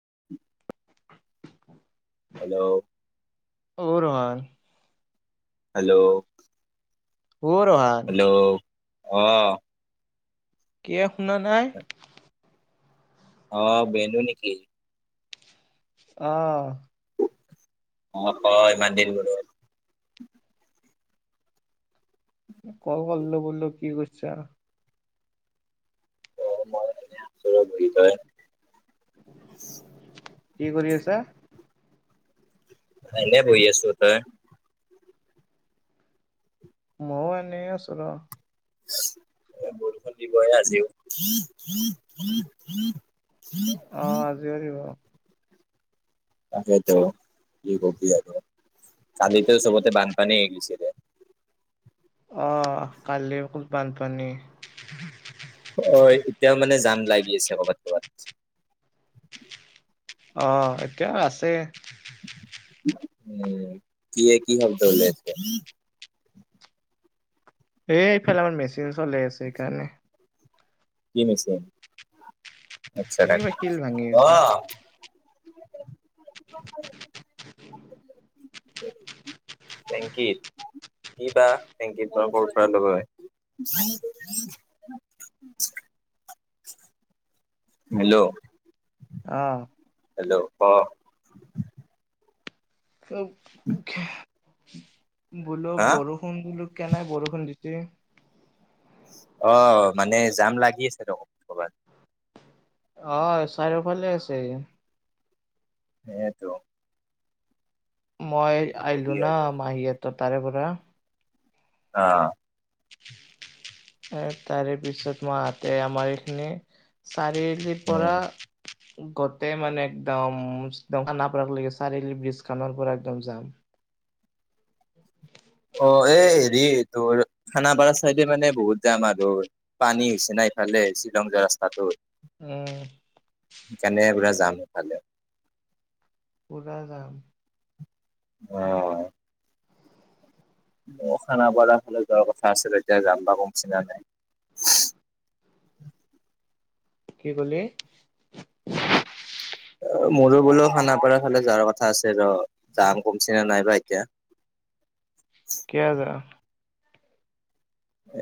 [unintelligible] Hello. অ, Rohan. Hello. অ Rohan. Hello, অ। কিয়ে শুনা নাই? অ, বেনু নেকি? অ। অ, ইমান দিন বোলো। কল কৰিলোঁ বোলো। কি কৰিছা? অ, মই এনেই আছো ৰ'বা। কি কয়? কি কৰি আছা? নাই এনেই বহি আছোঁ, তই? মই এনেই আছোঁ ৰ। বৰষুণ দিবই আজিও। অ, আজিও দিব। তাকে, ত' কি কবি আৰু। কালিটো চবতে বানপানী হৈ গৈছিলে। অ, কালি খুব বানপানী। হয়, এতিয়াও মানে জাম লাগি আছে কৰ'বাত। অ, এতিয়াও আছে। [unintelligible] [unintelligible] উম, কি এ, কি শব্দ উলাইছে? এই এইফালে, আমাৰ মেচিন চলাই আছে, সেইকাৰণে। কি মেচিন? এই কিবা শিল ভাঙি [inaudible] আছে। অ'! [inaudible] টেংকীৰ। কি বা টেংকী পৰা ক'ৰ পৰা লয়। [unintelligible] [inaudible] হেল্ল'? অ'! হেল্ল'! ক'? [unintelligible] বোলোঁ [unintelligible] হা শুম বোলোঁ, কেনে বৰষুণ দিছে। অ'! ! মানে, জাম লাগি আছে দিয়ক, ক'ৰবাত। অ'! চাৰিওফালে আছে। সেয়েতো। মই কি কবি আহিলোঁ না আৰু মাহীহঁতৰ তাৰে পৰা। অ'! [unintelligible] এ, তাৰেপিছত মই আহোঁতে, আমাৰ এইখিনিত চাৰিআলিৰ পৰা উম। গোটেই মানে একদম, [unintelligible] খানাপাৰা লৈকে, চাৰিআলি ব্ৰিজ খনৰ পৰা, একদম যাম। অ'! এই সেৰি তোৰ, খানাপাৰা চাইডে মানে, বহুত যাম আৰু। পানী হৈছে না ইফালে, শ্বিলং যোৱা ৰাস্তাটোত। উম। [unintelligible] জাম সেইফালে। পূৰা জাম। অ'! অ'! খানাপাৰা ফালে যোৱাৰ কথা আছিলে, এতিয়া যাম বা কমিছেনে নাই। কি ক'লি? অ'! মোৰো বোলোঁ, খানাপাৰাৰ ফালে যোৱাৰ কথা আছে ৰ'। জাম কমিছেনে নাই বা এতিয়া। কিয় যাওঁ?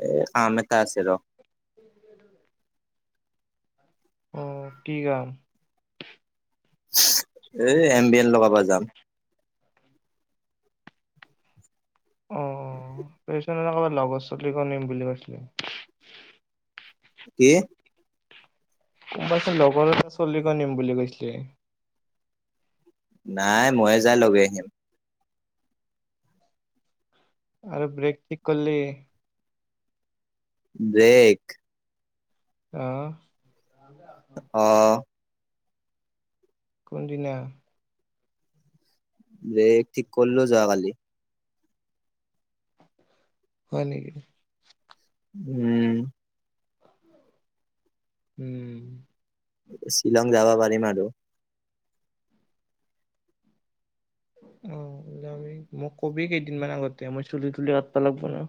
এ, কাম এটা আছে ৰ'। [inaudible] অ' কি কাম? [unintelligible] এই, এম বি এন লগাব যাম। অ'! তাৰপিছত [unintelligible] লগৰ ছোৱালী ঘৰ নিম বুলি কৈছিলে। কি? তই চোন লগৰ ছোৱালী [unintelligible] নিম বুলি কৈছিলে। নাই, মইয়ে যাই লৈ গৈ আহিম। আৰু ব্ৰেক ঠিক কৰলি? ব্ৰেক। অ'! অ'! কোনদিনা? ব্ৰেক ঠিক কৰিলোঁ, যোৱা কালি। হয় নেকি? উম। উম শ্বিলং যাব পাৰিবা। অ ওলাবি মোক কবি কেইদিন মান আগতে মই চুলি তুলি উাতব লাগব নহলি।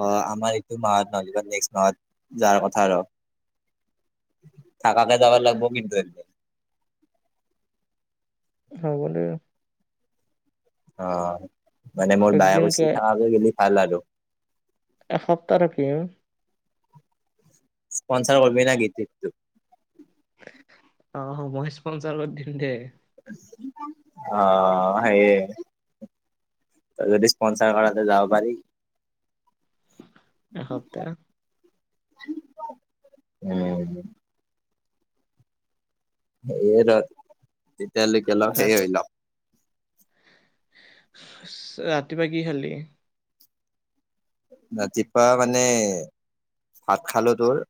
অ আমাৰ এইটো মাহত নহ নেক্সট মাহত যাৰ কথা আৰু! থাকাকে যাব লাগিব কিন্তু! হ'ব দে যাম। অ মানে মোৰ বায়ে একদিনকে কুচি থাকা কে গেলি ভাল আৰু। এসপ্তাহ থাকিম। স্পনচাৰ কৰিবিনাকিটো। আহ মই স্পনচাৰত দিম দে। অ সেয়ে যদি স্পনচাৰ কৰা তে যাব পাৰি। এসপ্তাহ। উম হেই তেতিয়ালৈকে হেই ৰা- হৈলক। ৰাতিপুৱা কি খালি? ৰাতিপুৱা মানে ভাত খালো তোৰ।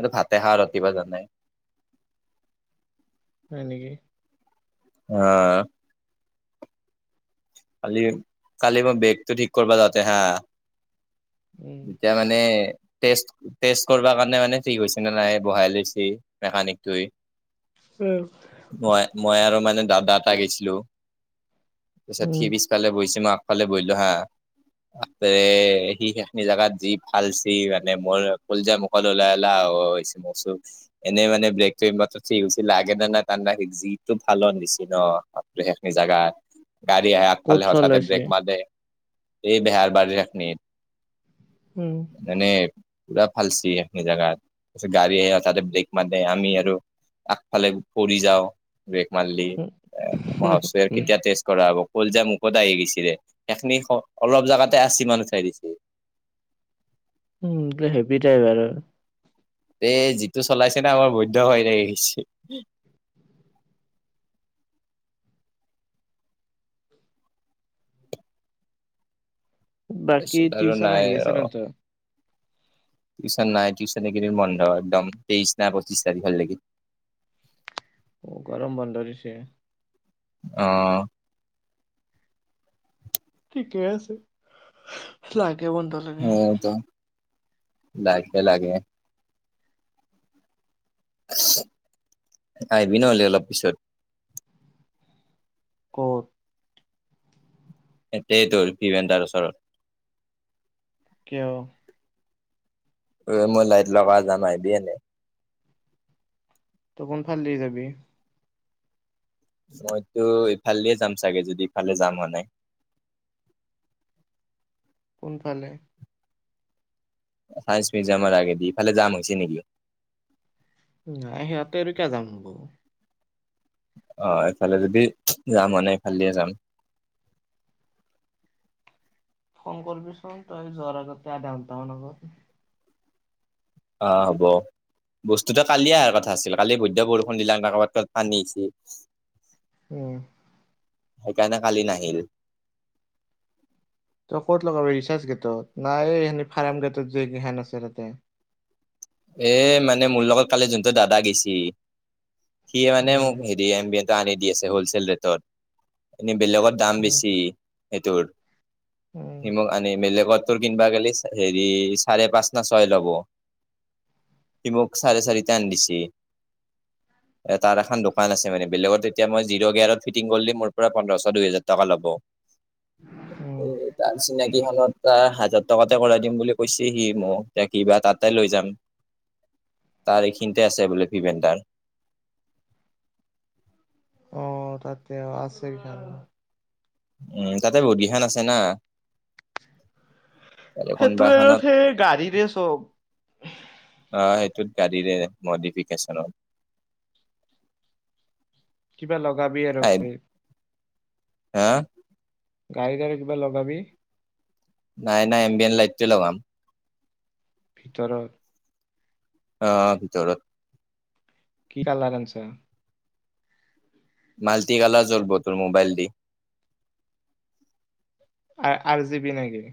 এইটো ভাতে খা ৰাতিপা জনায়। হয় নেকি? অ কালি কালি মই বেগটো ঠিক কৰিবা যাওঁতে হা! উম তেতিয়া মানে! টেষ্ট টেষ্ট কৰিব কাৰণে মানে ঠিক হৈছে নে নাই বহাই লৈছে মেকানিক তুই। [unintelligible] মই মই আৰু মানে দাদা এটা গেশ্লো। উম সি পিছফালে বইছি মই আগফালে বৈলো হা। আৰে সি খেখনি জোগাত যি ভালচি মানে মোৰ কলজা। অলওলা আহোঁ আহোঁ হসি। এনেই মানে ব্ৰেকটো ঠিক হৈছিলে লাগে নাই নেলাগে যিটো ভাল নিচি ন কৃষ্ণ। অ খেশনি যাগা। গাড়ী আহ ক'ত আগফালে হথাতে চলাইছে ব্ৰেক ম এই বেহাৰ বাৰি ৰাখনি। উম মানে পুৰা ফালচি আনি জোগাত তাৰপিছত গাড়ী আহ আৰু তাতে ব্ৰেক মা ডে আমি আৰু। আগফালে পৰি যাও বেগ মাৰলি মহভাবচো কেতিয়া তে। কৰা হ'ব কলজা মুকত আহি গৈছিলে সেইখিনি অলপ জাগগাতে আশি মান উঠাই দিছে। উম এই হেভি টাইপ আৰু। এই যিটো চলাইছে ন আমাৰ বৈধ ভই লাগি গেচি। বাকী তাৰপিছত আৰু টিউশন নাই আহি আছে ৰ ন থত। টিউচন নাই টিউশনে এইকেইদিন বন্ধ একদম তেইশ নাই পঁচিছ তাৰিখলৈকে। অ গৰম বন্ধ দিছে। অ ঠিকে আছে লাগে বন্ধত। অ টো লাগে লাগে। আহিবি নহ'লে অলপ পিছত। ক'ত? এ সেইটো তোৰ কিভেনতাৰ ওচৰত। কিয়? এ মই লাইট লগা যাম আহিবি এনেই। তই কোন ফাল দি যাবি? মইতো ইফালে দিয়ে যাম চাগে যদি ইফালে যাম হোৱা নাই। কোনফালে? চায়ন্স মিউজিয়ামৰ আগেদি, ইফালে যাম হৈছে নেকি? নাই হিয়াতে আৰু কিয় যাম হ'ব। অঁ! এইফালে যদি যাম হোৱা নাই এইফালে দিয়ে যাম। ফোন কৰিবি চোন তই যোৱাৰ আগতে আধা ঘণ্টা মান আগত। অঁ হ'ব। বস্তুটো কালিয়েই অহাৰ কথা আছিল কালি বৈধ্য বৰষুণ দিলে [inaudible] ক'ৰবাত-ক'ৰবাত পানী হৈছে। উম! সেইকাৰণে কালি নাহিল। তই ক'ত লগাবি ৰিচাৰ্জ গেটত নাই এই ফাৰ্ম গেটত যে এইকেইখন আছে তাতে। এ মানে মোৰ লগত কালি যোনটো দাদা গেছি সি মানে উম মোক হে ডিএমবি এটা আনি দি আছে হলচেল ৰেটত এনেই বেলেগত দাম উম বেছি। এইটোৰ, উম হিম [inaudible] এনেই বেলেগত তোৰ কিনিবা গ'লে হেৰি চাৰে পাঁচ না ছয় ল'ব। সি মোক চাৰে চাৰিটা‌ আনি দিছে। এ তাৰ এখন দোকান আছে মানে বেলেগত এতিয়া মই জিৰ' গেয়াৰত ফিটিং কৰিলে মোৰ পৰা‌‌ পোন্ধৰশ, দুই হেজাৰ টকা ল'ব। উম এ তাৰ চিনাকি হ'লত এটা হাজাৰ টকাতে কৰাই দিম বুলি কৈছে সি মোক এতিয়া কিবা তাতে লৈ যাম। তাৰ এইখিনিতে আছে বোলে পিভেনদাৰ। অঁ! তাতে অ আছে কিখন। উম! তাতে বহুতকেইখন আছে না। তাৰে কোনোবা ফেটোৱেৰত এখনত সেই গাড়ীৰে চব। অঁ! সেইটোত গাড়ীৰে মডিফিকেশ্যনত। কিবা লগাবি আৰু [inaudible] আহ হা! গাড়ী-গাড়ী কিবা লগাবি? নাই-নাই এমবিএন লাইটটোৱে লগাম। ভিতৰত? অঁ! ভিতৰত। কি কালাৰ আনিছা? মালতি কালাৰ জলব তোৰ মোবাইল দি। আৰ আৰজিবি নেকি?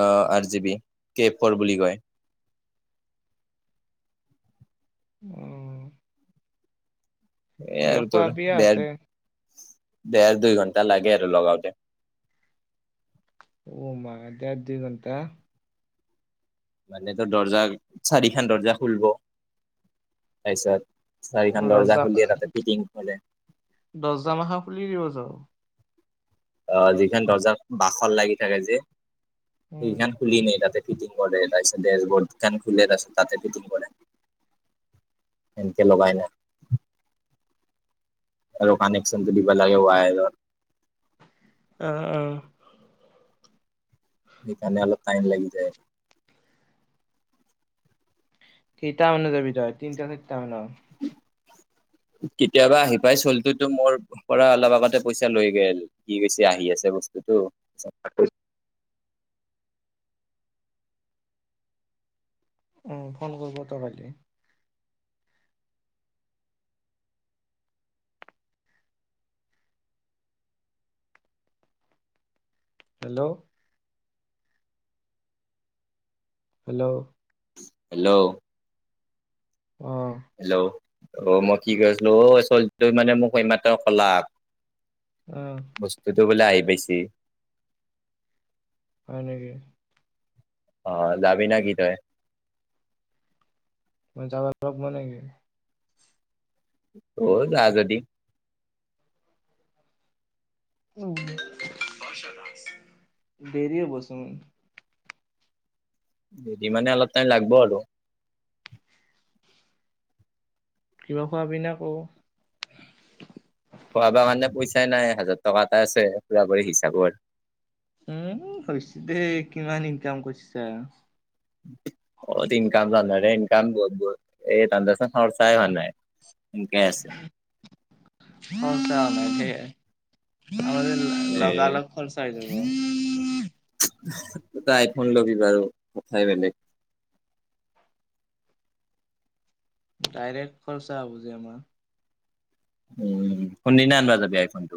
অ আৰজিবি কেফৰ বুলি কয়। উম! এ কিবা আৰু তোৰ খোৱাবি দেৰ, ইহঁতে দেৰ, দুই ঘণ্টা লাগে আৰু লগাওঁতে। অ মা দেৰ দুই ঘন্টা। মানে তোৰ দৰ্জা চাৰিখন দৰ্জা খুলিব তাৰপিছত চাৰিখন দৰ্জা খুলিয়ে তাতে ফিটিং হ'লে। দৰ্জা মখা খুলি দিব যাওঁ। অ! যিখন দৰ্জা বাছত লাগি থাকে যে উম সেইখন। খুলি নে তাতে ফিটিং কৰে তাৰপিছতে [unintelligible] খুলে তাৰপিছত তাতে ফিটি‍ং কৰে। এনেকে লগাইনে। আৰু কানেকশনটো দিব লাগে ৱায়ৰৰ। অঁ অঁ। সেইকাৰণে অলপ টাইম লাগি যায়। কেইটামানত যাবি তই তিনটা নে [unintelligible] মানত? কেতিয়াবা আহি পাই চলটোতো মোৰ পৰা অলপ আগতে পইচা লৈ গেল, সি কৈছে আহি আছে বস্তুটো [unintelligible] উম, ফোন কৰিব ত কালি। হেল্ল'? হেল্ল'। হেল্ল'? অঁ। হেল্ল', অ' মই কি কয় আছিলো অ ছোৱালী তই মানে মোক এইমাত্ৰ কলা। অ। বস্তুটো বোলে আহি পাইছি। হয় নেকি? অ' যাবি নেকি তই? মই যাবাৰ অলপ মন [unintelligible] বৈ যাও যদি। উম, দেৰিয়ে হ'বচোন। দেৰি মানে অলপ টাইম লাগব আৰু। কিবা খোৱা পিনা কৰোঁ। খোৱাব কাৰণে পইচাই নাই, হাজাৰ টকা এটা আছে পুৰা কৰি হিচাপত। উম হৈছে দেই কিমান ইনকাম কৰিছা? কত ইনকাম [unintelligible] ইনকাম বহুত বহুত এ [unintelligible] খৰচাই হোৱা নাই। সেনেকাই আছে। খৰচা হোৱা সেয়ে [unintelligible] এ তই আইফোন ল'বি বাৰু কথাই বেলেগ। ডাইৰেক্ট খৰচা হ'ব যে আমাৰ। উম, কোন দিনা আনিব যাবি আইফোনটো?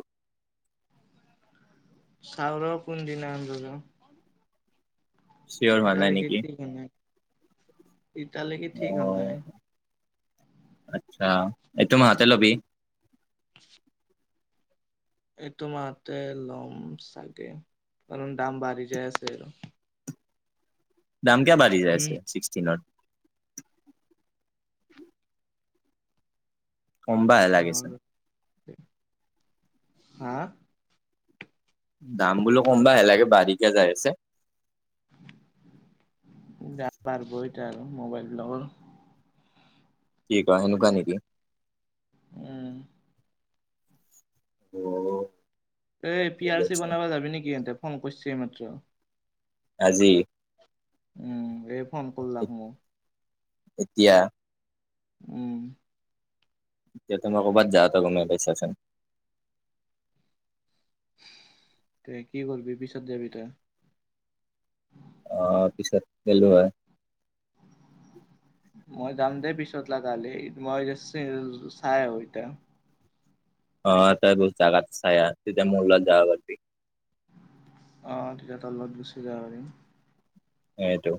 চাওঁ ৰ কোন দিনা আনিব যাওঁ। চিয়'ৰ হোৱা নাই নেকি? [unintelligible] এতিয়ালৈকে অ ঠিক হোৱা নাই। আচ্ছা এইটো মাহতে ল'বি? [inaudible] এইটো মাহতে ল'ম চাগে কাৰণ দাম বাঢ়ি যায় আছে আৰু। দাম কিয় বাঢ়ি যায় আছে উম ছিক্সটিনত। কমবাহে অ লাগিছে। হা? দাম বোলো কম বাই লাগে বাঢ়িকে যাই আছে। [unintelligible] তাৰ মোবাইল লগৰ হব কি কোৱা সেনেকুৱা নেকি? উম। [unintelligible] এই পি আৰ বেলেগ চি চোন। বনাব যাবি নেকি ইহঁতে ফোন কৰিছে এই মাত্ৰ। আজি উম এই ফোন কৰলাক মোক। এতিয়া উম এতিয়া তই ক'বাত যাওতে গমে পাইছা চাগে। তই কি কৰিবি পিছত যাবি তই। অ পিছত গলো হয়। উ মই যাম দেই পিছত লাগা হলে, মই জাষ্ট চি অ চাই আহো এতিয়া। অ ত বছ জাগাতো চাই আহ তেতিয়া মোৰ লগত যাব পাৰিবা। অ' তেতিয়া তোৰ লগত গুচি যাব পাৰিম। এইটো